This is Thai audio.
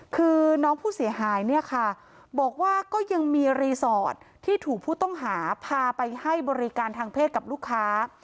คือน้องผู้เสียหายเนี่ยค่ะบอกว่าก็ยังมีรีสอร์ทที่ถูกผู้ต้องหาพาไปให้บริการทางเพศกับลูกค้า